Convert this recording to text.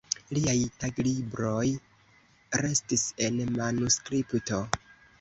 Liaj taglibroj restis en manuskripto.